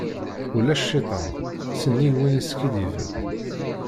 Ulac cciṭan, sennig win iskiddiben.